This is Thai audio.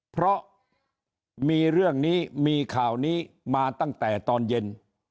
เพราะมีเรื่องนี้มีข่าวนี้มาตั้งแต่ตอนเย็น